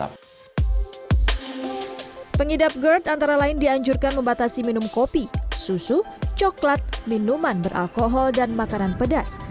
pengidap gerd antara lain dianjurkan membatasi minum kopi susu coklat minuman beralkohol dan makanan pedas